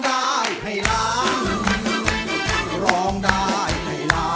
ดีใจครับ